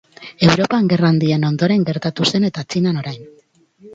Europan gerra handien ondoren gertatu zen eta Txinan orain.